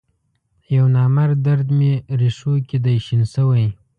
یونامرد درد می رېښوکې دی شین شوی